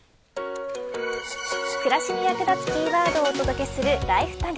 暮らしに役立つキーワードをお届けするＬｉｆｅＴａｇ。